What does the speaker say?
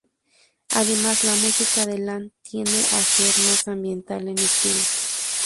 Además la música de Land tiende a ser más ambiental en estilo.